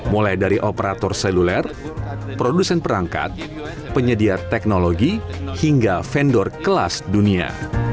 mulai dari operator seluler produsen perangkat penyedia teknologi hingga vendor kelas dunia